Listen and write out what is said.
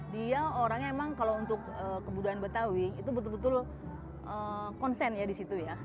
dia orangnya memang kalau untuk kebudayaan betawi itu betul betul konsen ya di situ ya